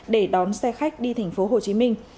để đón xe khách đi tp hồ chí minh